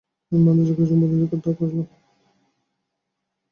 আমি মান্দ্রাজে কয়েকজন বন্ধুর নিকট তার করিলাম।